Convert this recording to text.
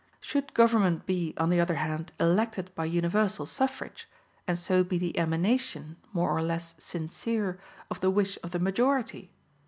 Should government be, on the other hand, elected by universal suffrage, and so be the emanation, more or less sincere, of the wish of the majority?